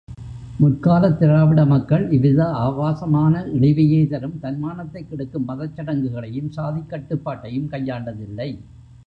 முற்காலத் திராவிட மக்கள் இவ்வித ஆபாசமான, இழிவையே தரும், தன்மானத்தைக் கெடுக்கும் மதச் சடங்குகளையும் சாதிக் கட்டுப்பாட்டையும் கையாண்டதில்லை.